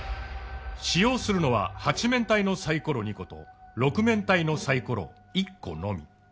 使用するのは八面体のサイコロ２個と六面体のサイコロ１個のみ。